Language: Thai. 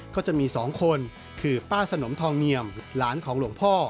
ก็จะมี๒คนคือป้าสนมทองเนียมหลานของหลวงพ่อ